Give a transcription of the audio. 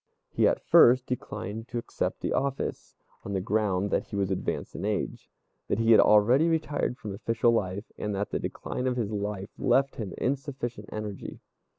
He at first declined to accept the office, on the ground that he was advanced in age, that he had already retired from official life, and that the decline of his life left him insufficient energy.